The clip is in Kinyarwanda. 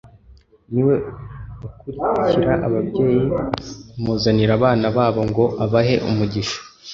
niwe ukirarikira ababyeyi kumuzanira abana babo ngo abahe umugisha.